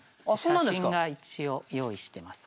写真が一応用意してますか。